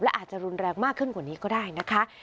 อาจจะรุนแรงมากขึ้นกว่านี้ก็ได้นะคะ